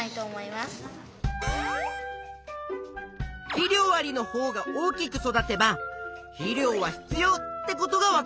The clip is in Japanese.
「肥料あり」のほうが大きく育てば「肥料は必要」ってことがわかるんだね。